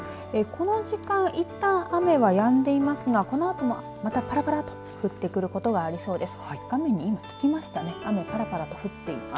この時間いったん雨はやんでいますが、このあとも、ぱらぱらと降ってくることがありそうです。